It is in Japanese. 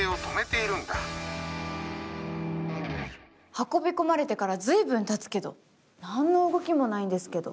運び込まれてから随分たつけど何の動きもないんですけど。